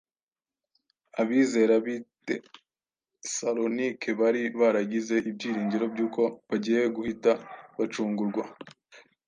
Abizera b’i Tesalonike bari baragize ibyiringiro by’uko bagiye guhita bacungurwa